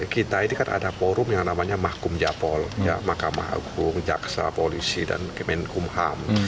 kita ini kan ada forum yang namanya mahkumjapol mahkamah hukum jaksa polisi dan kemenkumham